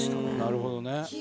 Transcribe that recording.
なるほどね。